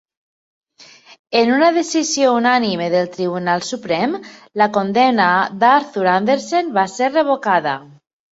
En una decisió unànime del Tribunal Suprem, la condemna d'Arthur Andersen va ser revocada.